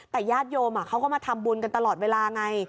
แต่ญาติโยมเขาก็มาทำบุญกันตลอดเวลาไง